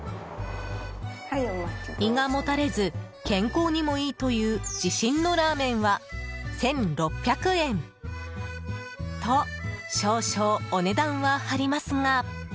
胃がもたれず健康にもいいという自信のラーメンは１６００円！と少々、お値段は張りますが。